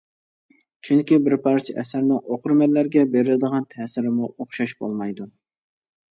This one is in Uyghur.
چۈنكى بىر پارچە ئەسەرنىڭ ئوقۇرمەنلەرگە بېرىدىغان تەسىرىمۇ ئوخشاش بولمايدۇ.